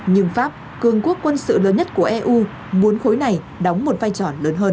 nhưng pháp cường quốc quân sự lớn nhất của eu muốn khối này đóng một vai trò lớn hơn